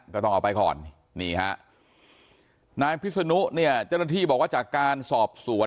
ก็ต้องเอาไปก่อนนี่ฮะนายพิศนุเนี่ยเจ้าหน้าที่บอกว่าจากการสอบสวน